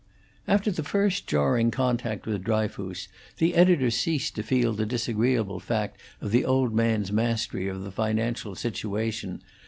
After the first jarring contact with Dryfoos, the editor ceased to feel the disagreeable fact of the old man's mastery of the financial situation.